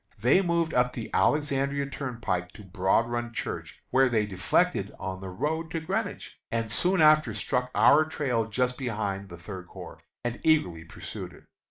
They moved up the Alexandria Turnpike to Broad Run Church, where they deflected on the road to Greenwich, and soon after struck our trail just behind the Third Corps, and eagerly pursued it.